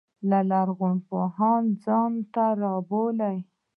لرغون پوهان ځان ته رابولي.